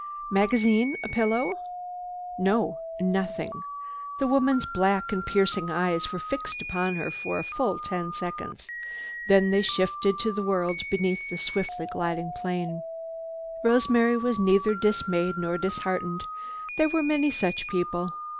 "Magazine? A pillow?" "No. Nothing." The woman's black and piercing eyes were fixed upon her for a full ten seconds. Then they shifted to the world beneath the swiftly gliding plane. Rosemary was neither dismayed nor disheartened. There were many such people.